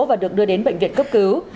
và được đưa đến bệnh viện cấp cứu